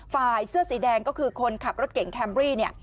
ฝ่ายเสื้อสีแดงก็คือคนขับรถเก่งแคมรี่เนี่ย